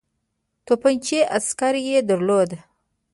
توپچي عسکر یې درلودل.